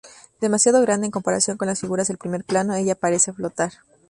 Demasiado grande en comparación con las figuras del primer plano, ella parece flotar.